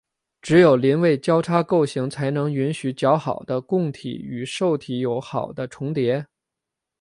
只有邻位交叉构型才能允许较好的供体与受体有好的重叠。